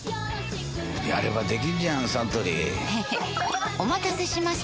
やればできんじゃんサントリーへへっお待たせしました！